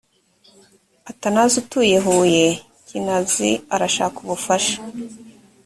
atanazi utuye huye kinazi arashaka ubufasha